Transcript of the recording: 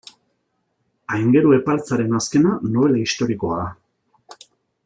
Aingeru Epaltzaren azkena, nobela historikoa da.